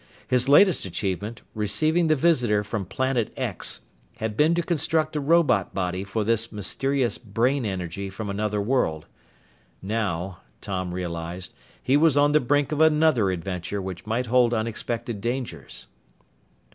His latest achievement, receiving the visitor from Planet X, had been to construct a robot body for this mysterious brain energy from another world. Now, Tom realized, he was on the brink of another adventure which might hold unexpected dangers.